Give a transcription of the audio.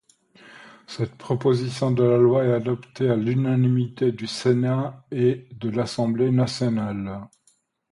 Cette proposition de loi est adoptée à l'unanimité du Sénat et de l'Assemblée nationale.